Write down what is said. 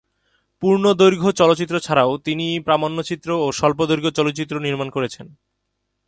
পূর্ণদৈর্ঘ্য চলচ্চিত্র ছাড়াও তিনি প্রামাণ্যচিত্র ও স্বল্পদৈর্ঘ্য চলচ্চিত্র নির্মাণ করেছেন।